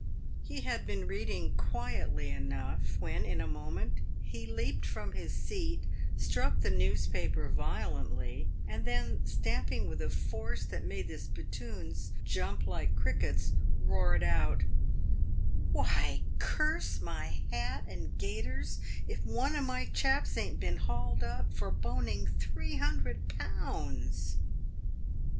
He had been reading quietly enough, when in a moment he leaped from his seat, struck the newspaper violently, and then stamping with a force that made the spittoons jump like crickets, roared out, " Why, curse my hat and gaiters, if one o' my chaps ain't been hauled up for boning three hundred pounds